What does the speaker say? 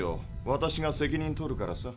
私が責任取るからさ。